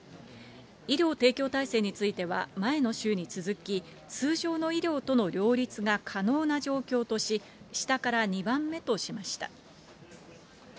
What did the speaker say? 医療提供体制については、前の週に続き、通常の医療との両立が可能な状況とし、下から２番目としました。